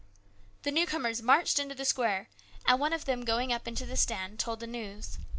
The newcomers marched into the square, and one of them going up into the stand, told the news.